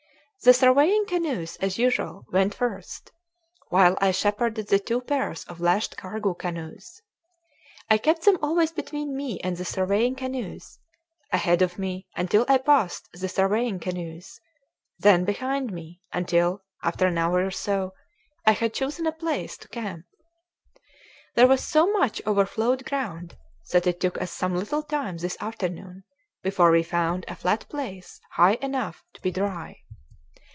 The surveying canoes, as usual, went first, while I shepherded the two pairs of lashed cargo canoes. I kept them always between me and the surveying canoes ahead of me until I passed the surveying canoes, then behind me until, after an hour or so, I had chosen a place to camp. There was so much overflowed ground that it took us some little time this afternoon before we found a flat place high enough to be dry.